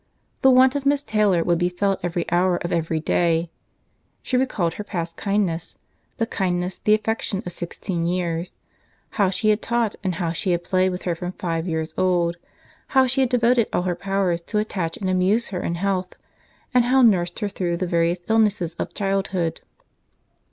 The want of Miss Taylor would be felt every hour of every day. She recalled her past kindness—the kindness, the affection of sixteen years—how she had taught and how she had played with her from five years old—how she had devoted all her powers to attach and amuse her in health—and how nursed her through the various illnesses of childhood.